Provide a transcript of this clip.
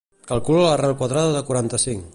Calcula l'arrel quadrada de quaranta-cinc.